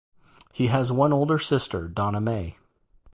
He has one older sister, Donna Mae.